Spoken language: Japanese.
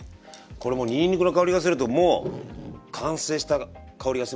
これもうにんにくの香りがするともう完成した香りがしますね。